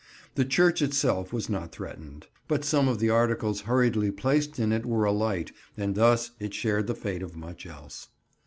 The church itself was not threatened, but some of the articles hurriedly placed in it were alight, and thus it shared the fate of much else.